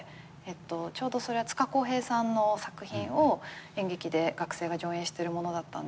ちょうどそれはつかこうへいさんの作品を演劇で学生が上演してるものだったんですけど。